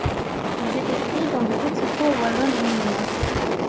Ils étaient cuits dans de petits fours voisins du monument.